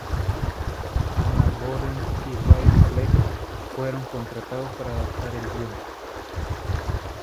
Anna Boden y Ryan Fleck, fueron contratados para adaptar el guion.